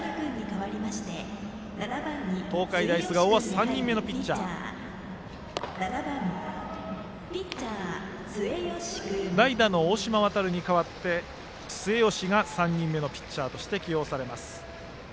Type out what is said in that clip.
東海大菅生は３人目のピッチャー代打の大島渉に代わって末吉が３人目のピッチャーとして起用されます。